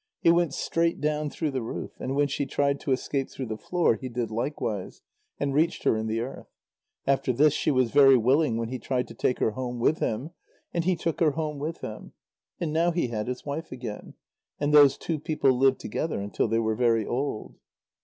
He went straight down through the roof, and when she tried to escape through the floor he did likewise, and reached her in the earth. After this, she was very willing when he tried to take her home with him, and he took her home with him, and now he had his wife again, and those two people lived together until they were very old.